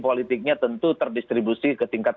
politiknya tentu terdistribusi ke tingkat